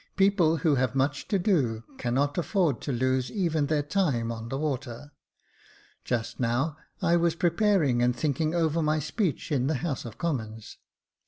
People who have much to do cannot afford to lose even their time on the water. Just now I was preparing and thinking over my speech in the House of Commons."